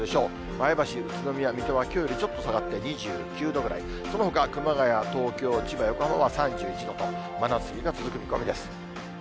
前橋、宇都宮、水戸はきょうよりちょっと下がって２９度ぐらい、そのほか、熊谷、東京、千葉、横浜は３１度と、真夏日が続く見込みです。